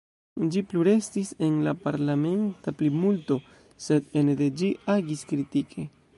Ĝi plu restis en la parlamenta plimulto, sed ene de ĝi agis kritike.